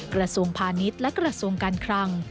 กระทรวงพาณิชย์และกระทรวงการคลัง